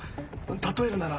例えるなら。